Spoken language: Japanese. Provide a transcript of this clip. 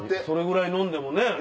それぐらい飲んでもね。